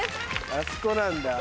あそこなんだ。